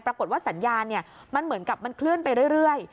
ปรากฏว่าสัญญาณมันเหมือนกับมันเคลื่อนไปเรื่อย